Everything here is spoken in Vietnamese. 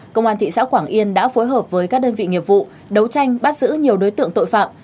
công an thị xã quảng yên đã phối hợp với các đơn vị nghiệp vụ đấu tranh bắt giữ nhiều đối tượng tội phạm